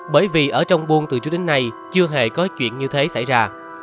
bởi vì ở trong buôn từ trước đến nay chưa hề có chuyện như thế xảy ra